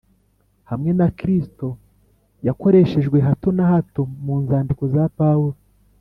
"hamwe na Kristo," yakoreshejwe hato na hato mu nzandiko za Pawulo